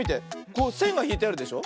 こうせんがひいてあるでしょ。